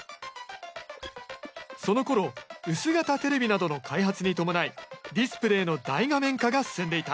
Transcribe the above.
そのころ薄型テレビなどの開発に伴いディスプレーの大画面化が進んでいた。